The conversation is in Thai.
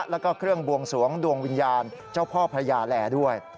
แล้วก็เครื่องบวงสวงดวงวิญญาณเจ้าพ่อพระยาแหล่ด้วย